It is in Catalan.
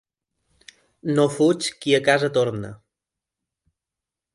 No fuig qui a casa torna.